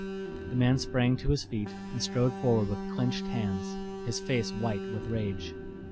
The man sprang to his feet and strode forward with clenched hands, his face white with rage.